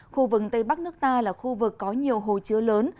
khu vực tây bắc nước ta là khu vực có nhiều hồ chứa lớn